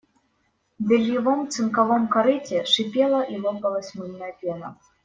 В бельевом цинковом корыте шипела и лопалась мыльная пена.